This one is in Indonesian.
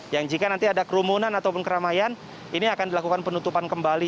yang jika nanti ada kerumunan ataupun keramaian ini akan dilakukan penutupan kembali